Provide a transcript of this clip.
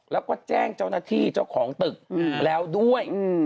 แล้วก็แจ้งเจ้าหน้าที่เจ้าของตึกแล้วด้วย